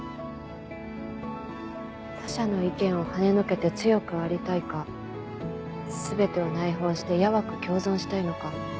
他者の意見をはねのけて強くありたいか全てを内包して柔く共存したいのか。